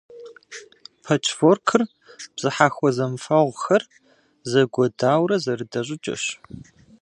Пэчворкыр бзыхьэхуэ зэмыфэгъухэр зэгуадэурэ зэрыдэ щӏыкӏэщ.